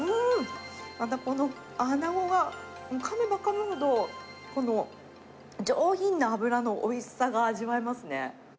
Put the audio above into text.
またこのアナゴが、かめばかむほど、この上品なあぶらのおいしさが味わえますね。